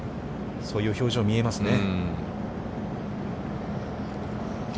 そういう表情が見えますね。